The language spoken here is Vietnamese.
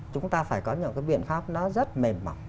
chúng ta phải có những cái biện pháp nó rất mềm mỏng